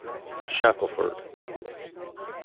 Shackleford.